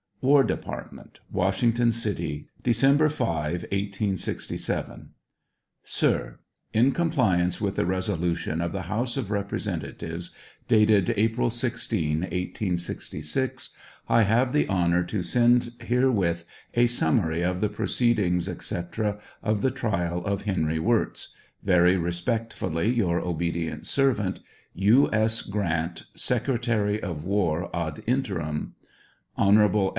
War Department, Washington City, December 5, 1867. Sir: In compliance with a resolution of the House of Representatives, dated April 16, 1866, I have the honor to send herewith a summary of the proceed ings, &c., of the trial of Henry Wirz. Very respectfully, your obedient servant, U. S. GRANT, Secretary of War ad interim. Hon.